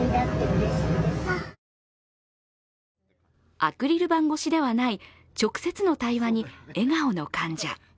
アクリル板越しではない、直接の対話に笑顔の患者。